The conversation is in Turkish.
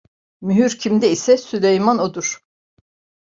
Mühür kimde ise Süleyman odur.